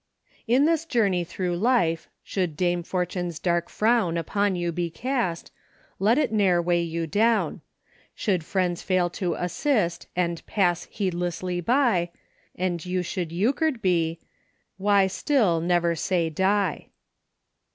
"In this journey through life, should dame Fortune's dark frown Upon you be cast, let it ne'er weigh you down ; Should friends fail to 'assist' and 'pass* heedlessly by, And you should Euchred be — why still never say die."